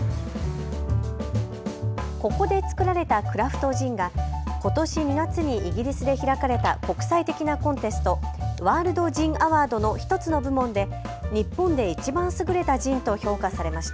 ここで造られたクラフトジンがことし２月にイギリスで開かれた国際的なコンテスト、ワールド・ジン・アワードの１つの部門で日本でいちばん優れたジンと評価されました。